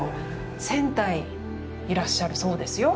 千体いらっしゃるそうですよ。